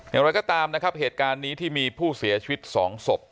อย่างไรก็ตามนะครับเหตุการณ์นี้ที่มีผู้เสียชีวิต๒ศพ